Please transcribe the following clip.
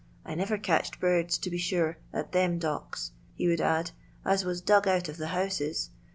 I never catched birds e at them docks," he would add, "as was of the houses.